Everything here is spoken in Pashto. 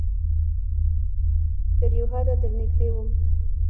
تر یو حده درنږدې وم